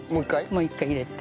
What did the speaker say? もう一回入れて。